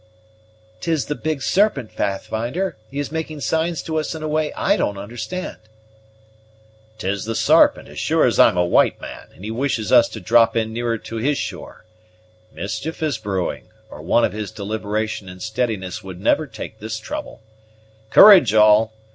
"'Tis the Big Serpent, Pathfinder; he is making signs to us in a way I don't understand." "'Tis the Sarpent, as sure as I'm a white man, and he wishes us to drop in nearer to his shore. Mischief is brewing, or one of his deliberation and steadiness would never take this trouble. Courage, all!